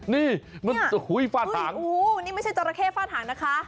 นี่ฟาดหางนี่ไม่ใช่เจ้าระเข้ฟาดหางนะคะ